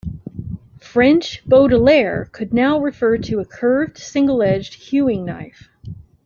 French "baudelaire" could now refer to a curved, single-edged hewing knife.